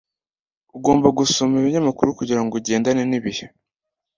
ugomba gusoma ibinyamakuru kugirango ugendane nibihe